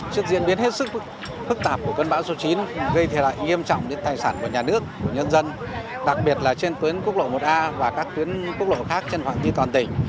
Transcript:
trước diễn biến hết sức phức tạp của cơn bão số chín gây thiệt hại nghiêm trọng đến tài sản của nhà nước của nhân dân đặc biệt là trên tuyến quốc lộ một a và các tuyến quốc lộ khác trên phạm vi toàn tỉnh